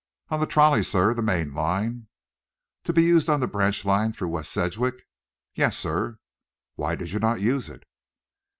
"On the trolley, sir; the main line." "To be used on the Branch Line through West Sedgwick?" "Yes, sir." "Why did you not use it?"